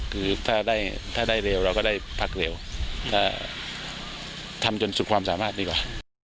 คือถ้าได้เร็วเราก็ได้พักเร็วทำจนสุดความสามารถดีกว่า